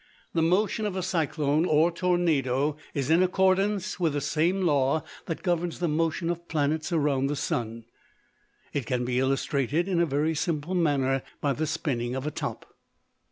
The motion of a cyclone or tornado is in accordance with the same law that governs the motion of planets around the sun. It can be illustrated in a very simple manner by the spinning of a top.